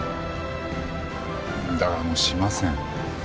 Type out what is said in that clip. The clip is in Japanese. だからもうしません。